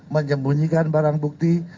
menyembunyikan barang bukti